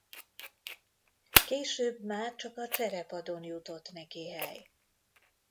Később már csak a cserepadon jutott neki hely.